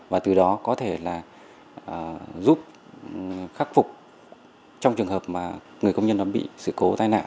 và từ đó có thể là giúp khắc phục trong trường hợp mà người công nhân bị sự cố tai nạn